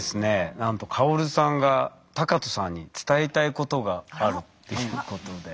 なんと薫さんが学仁さんに伝えたいことがあるっていうことで。